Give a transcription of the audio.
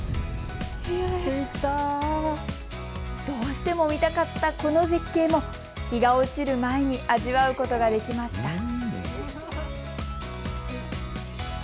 どうしても見たかったこの絶景も日が落ちる前に味わうことができました。